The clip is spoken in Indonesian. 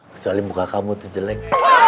kecuali muka kamu tuh jelek